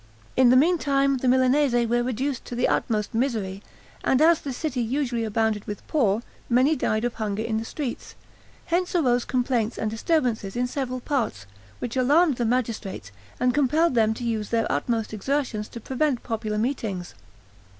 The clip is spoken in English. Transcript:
In the meantime, the Milanese were reduced to the utmost misery; and as the city usually abounded with poor, many died of hunger in the streets; hence arose complaints and disturbances in several parts, which alarmed the magistrates, and compelled them to use their utmost exertions to prevent popular meetings.